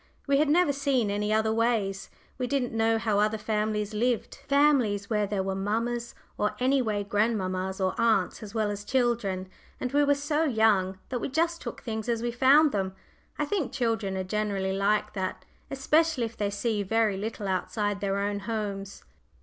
We had never seen any other "ways;" we didn't know how other families lived families where there were mammas, or any way grandmammas, or aunts, as well as children, and we were so young that we just took things as we found them. I think children are generally like that, especially if they see very little outside their own homes.